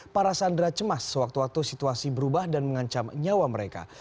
para sandera cemas sewaktu waktu situasi berubah dan mengancam nyawa mereka